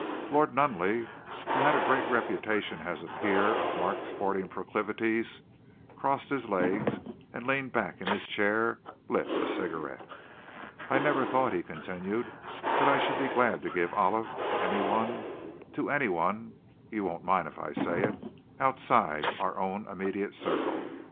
Lord Nunneley, who had a great reputation as a peer of marked sporting proclivities, crossed his legs, and, leaning back in his chair, lit a cigarette. "I never thought," he continued, "that I should be glad to give Olive to anyone to anyone you won't mind if I say it outside our own immediate circle.